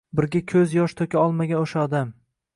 Birga koʻz yosh toʻka olmagan oʻsha odam